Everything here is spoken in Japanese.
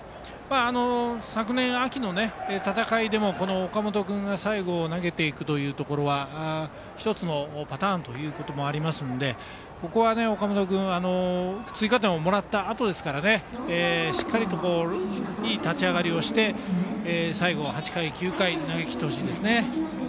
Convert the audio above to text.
昨年秋の戦いでもこの岡本君が最後を投げていくというところは１つのパターンということもありますのでここは、岡本君追加点をもらったあとなのでしっかりといい立ち上がりをして最後、８回、９回を投げきってほしいですね。